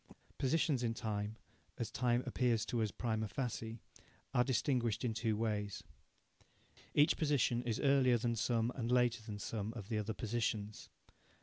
Positions in time, as time appears to us prima facie, are distinguished in two ways. Each position is Earlier than some, and Later than some, of the other positions.